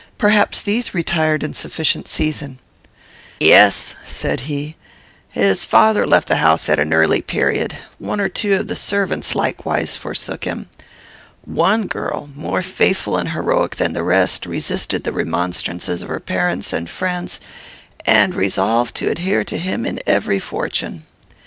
Perhaps these retired in sufficient season." "Yes," said he; "his father left the house at an early period. One or two of the servants likewise forsook him. One girl, more faithful and heroic than the rest, resisted the remonstrances of her parents and friends, and resolved to adhere to him in every fortune.